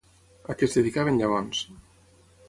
A què es dedicaven llavors?